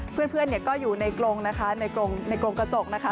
เพื่อนก็อยู่ในกลงกระจกนะคะ